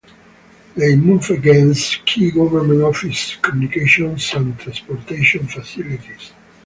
They moved against key government offices, communications and transportation facilities.